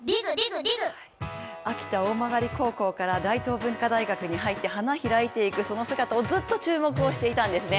秋田大曲高校から大東文化大学に入って花開いていくその姿をずっと注目していたんですね。